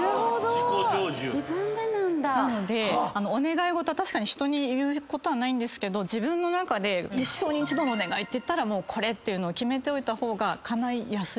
なのでお願い事は確かに人に言うことはないんですけど自分の中で一生に一度のお願いっていったらこれっていうのを決めておいた方がかないやすい。